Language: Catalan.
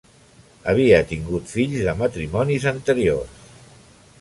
Havia tingut fills de matrimonis anteriors.